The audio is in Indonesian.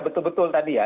betul betul tadi ya